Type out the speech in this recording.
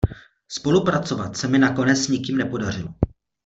Spolupracovat se mi nakonec s nikým nepodařilo.